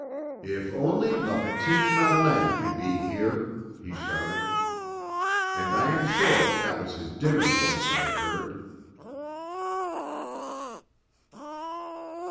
"If only la petite Madeleine could be here!" he shouted. And I am sure that was his dinner voice I heard.